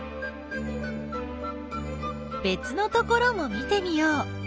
べつのところも見てみよう。